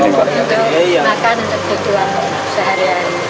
untuk makan untuk dijual sehari hari